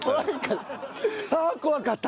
ああ怖かった！